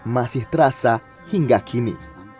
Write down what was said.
masih terasa hingga kini